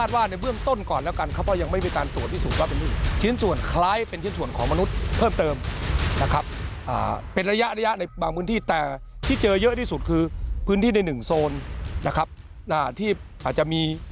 มันเป็นชิ้นส่วนคล้ายเป็นชิ้นส่วนของมนุษย์เพิ่มเติมนะครับเป็นระยะระยะในบางพื้นที่แต่ที่เจอเยอะที่สุดคือพื้นที่ในหนึ่งโซนนะครับที่อาจจะมี